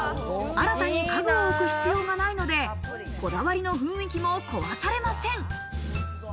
新たに家具を置く必要がないので、こだわりの雰囲気も壊されません。